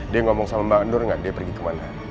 dia ngomong sama mbak endor gak ada yang pergi kemana